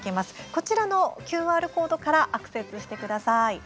こちらのＱＲコードからアクセスしてください。